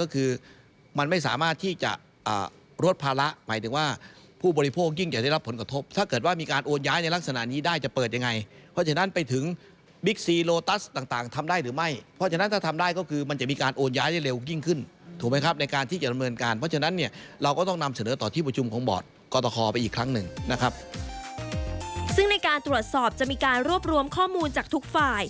ซึ่งในการตรวจสอบจะมีการรวบรวมข้อมูลจากทุกฝ่าย